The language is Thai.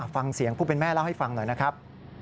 ฟังเสียงผู้เป็นแม่เล่าให้ฟังหน่อยนะครับ